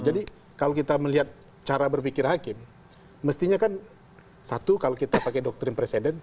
jadi kalau kita melihat cara berpikir hakim mestinya kan satu kalau kita pakai doktrin presiden